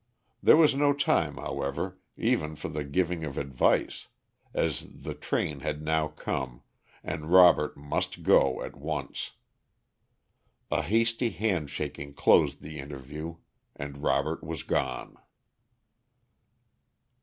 There was no time, however, even for the giving of advice, as the train had now come, and Robert must go at once. A hasty hand shaking closed the interview, and Robert was gone.